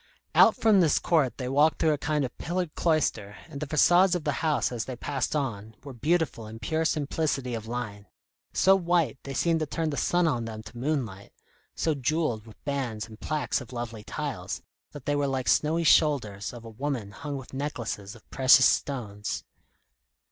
Out from this court they walked through a kind of pillared cloister, and the façades of the house as they passed on, were beautiful in pure simplicity of line; so white, they seemed to turn the sun on them to moonlight; so jewelled with bands and plaques of lovely tiles, that they were like snowy shoulders of a woman hung with necklaces of precious stones.